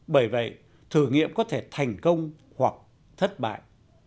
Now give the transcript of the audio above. bởi vậy thử nghiệm có thể thành công hoặc thất bại